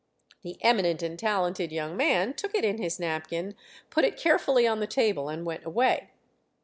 The eminent and talented young man took it in his napkin, put it carefully on the table, and went away.